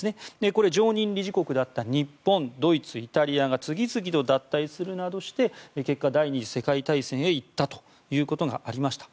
常任理事国だった日本、ドイツ、イタリアが次々と脱退するなどして結果、第２次世界大戦へ行ったということがありました。